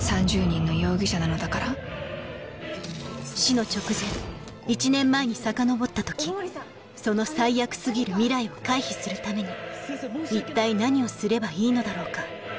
死の直前１年前にさかのぼった時その最悪過ぎる未来を回避するために一体何をすればいいのだろうか